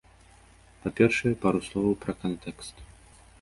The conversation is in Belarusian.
Па-першае, пару словаў пра кантэкст.